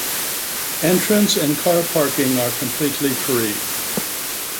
Entrance and car parking are completely free.